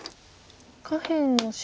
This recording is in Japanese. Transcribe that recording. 下辺の白。